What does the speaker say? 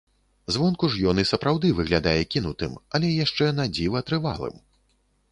Звонку ж ён і сапраўды выглядае кінутым, але яшчэ надзіва трывалым.